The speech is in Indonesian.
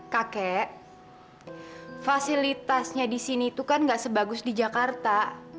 kakek fasilitasnya disini itu kan tidak sebagus di jakarta